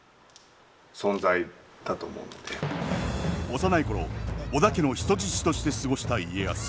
幼い頃織田家の人質として過ごした家康。